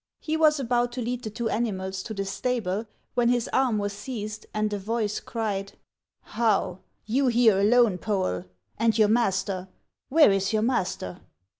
He was about to lead the two animals to the stable, when his arm was seized, and a voice cried :" How ! You here alone, Poe'l ! And your master, — where is your master?"